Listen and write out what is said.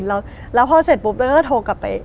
เราโดน